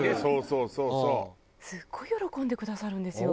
すごい喜んでくださるんですよ